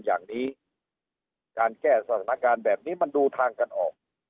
อย่างนี้การแก้สถานการณ์แบบนี้มันดูทางกันออก